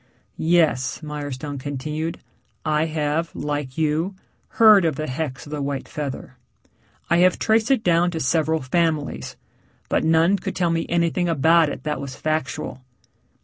"Yes," Mirestone continued. "I have, like you, heard of the hex of the white feather. I have traced it down to several families, but none could tell me anything about it that was factual.